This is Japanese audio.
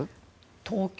東京。